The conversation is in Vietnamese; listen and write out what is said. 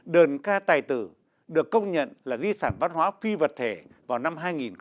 đền ca tài tử được công nhận là di sản văn hóa phi vật thể vào năm hai nghìn một mươi